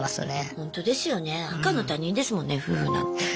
ほんとですよね赤の他人ですもんね夫婦なんて。